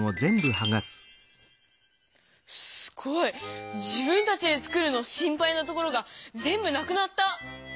すごい「自分たちで作る」の「心配なところ」がぜんぶなくなった。